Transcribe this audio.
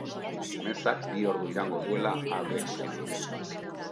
Mezak bi ordu iraungo duela aurreikusi dute.